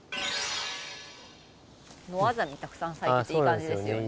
ノアザミたくさん咲いてていい感じですよね。